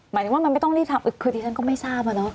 หมายถึงว่ามันไม่ต้องรีบทำคือดิฉันก็ไม่ทราบอะเนาะ